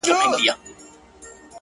ما خو خپل زړه هغې ته وركړى ډالۍ ـ